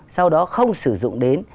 sau đó không sử dụng đến